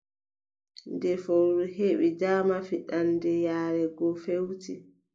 Nde fowru heɓi daama, fiɗaande yaare go feewti,